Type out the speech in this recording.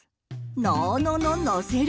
「のーのののせる」。